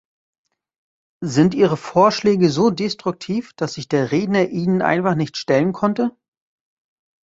Sind ihre Vorschläge so destruktiv, dass sich der Redner ihnen einfach nicht stellen konnte?